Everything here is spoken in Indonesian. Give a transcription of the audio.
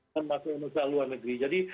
dengan masalah masalah luar negeri jadi